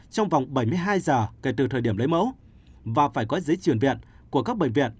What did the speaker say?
trong vòng bảy mươi hai giờ kể từ thời điểm lấy mẫu và phải có giấy truyền viện của các bệnh viện